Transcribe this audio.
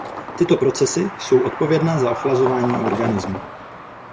Tyto procesy jsou odpovědné za ochlazování organismu.